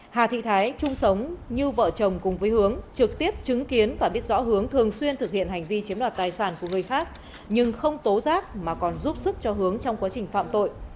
hà thị thái chung sống như vợ chồng cùng với hướng trực tiếp chứng kiến và biết rõ hướng thường xuyên thực hiện hành vi chiếm đoạt tài sản của người khác nhưng không tố giác mà còn giúp sức cho hướng trong quá trình phạm tội